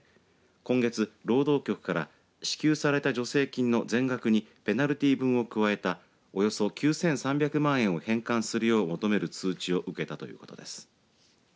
今月、労働局から支給された助成金の全額にペナルティー分を加えたおよそ９３００万円を返還するよう求める通知を受けたということです。